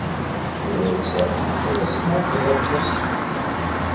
Yuba yettraǧu-k ad as-d-muddeḍ afus.